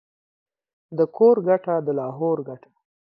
د کور گټه ، دلاهور گټه.